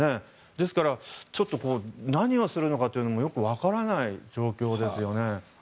ですから、ちょっと何をするのかというのもよくわからない状況ですよね。